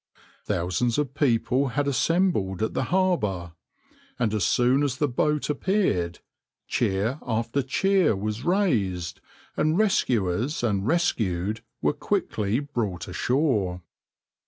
Thousands of people had assembled at the harbour, and as soon as the boat appeared, cheer after cheer was raised, and rescuers and rescued were quickly brought ashore.